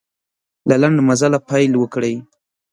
له لنډ مزله پیل وکړئ.